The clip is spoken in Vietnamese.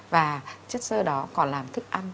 và chất sơ đó còn làm thức ăn